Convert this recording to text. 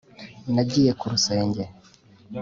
nagiye ku rusenge